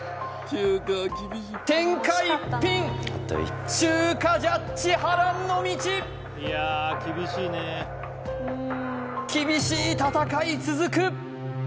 天下一品中華ジャッジ波乱の道厳しい戦い続く